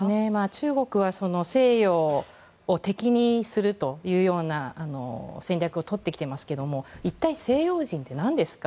中国は西洋を敵にするというような戦略をとってきていますけど一体西洋人って何ですか？